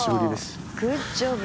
グッジョブ。